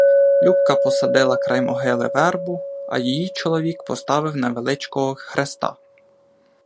Любка посадила край могили вербу, а її чоловік поставив невеличкого хреста.